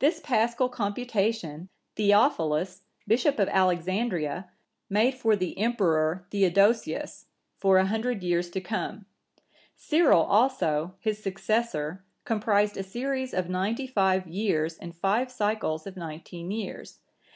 This Paschal computation, Theophilus,(975) Bishop of Alexandria, made for the Emperor Theodosius, for a hundred years to come. Cyril(976) also, his successor, comprised a series of ninety five years in five cycles of nineteen years.